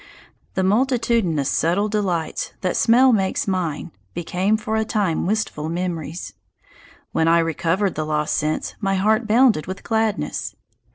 The multitudinous subtle delights that smell makes mine became for a time wistful memories. When I recovered the lost sense, my heart bounded with gladness.